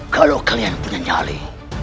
kalau kalian punya nyali